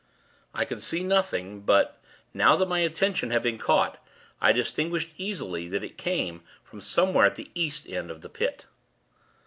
I could see nothing; but, now that my attention had been caught, I distinguished, easily, that it came from somewhere at the East end of the Pit.